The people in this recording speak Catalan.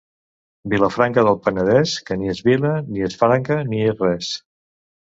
Vilafranca del Penedès, que ni és vila, ni és franca, ni és res.